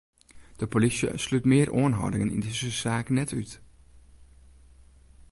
De polysje slút mear oanhâldingen yn dizze saak net út.